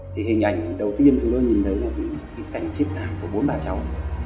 thì hình ảnh đầu tiên chúng tôi nhìn thấy là cái cảnh chết hàng của bốn bà cháu